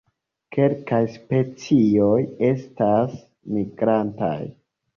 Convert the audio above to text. Kelkaj specioj estas migrantaj.